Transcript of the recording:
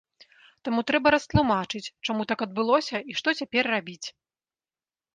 Таму трэба растлумачыць, чаму так адбылося і што цяпер рабіць.